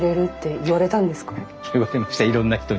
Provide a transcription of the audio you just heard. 言われましたいろんな人に。